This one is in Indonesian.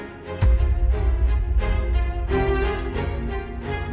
target belum terlihat bos